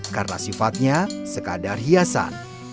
karena sifatnya sekadar hiasan